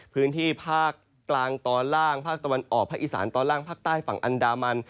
พื้นที่ภาคกลางตอนล่างภาคตะวันออกภาคอีสานตอนล่างภาคใต้ฝั่งอันดามัน